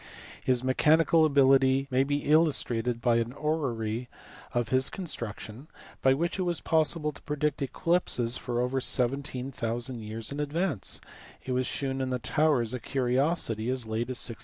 His mechanical ability may be illustrated by an orrery of his construction by which it was possible to predict eclipses for over seventeen thousand years in advance : it was shewn in the Tower as a curiosity as late as 1675.